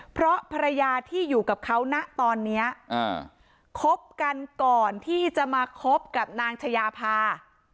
เพราะภรรยาที่อยู่กับเขานะตอนนี้คบกันก่อนที่จะมาคบกับนางชายาพา